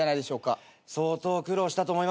相当苦労したと思います。